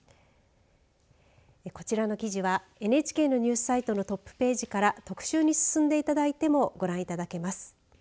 こちらの記事はＮＨＫのニュースサイトのトップページから特集に進んでいただいてもご覧いただきます。